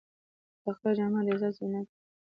د تقوی جامه د عزت زینت دی.